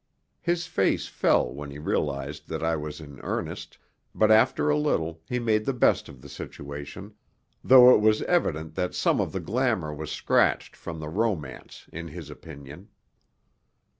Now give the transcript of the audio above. His face fell when he realized that I was in earnest, but after a little he made the best of the situation, though it was evident that some of the glamour was scratched from the romance in his opinion.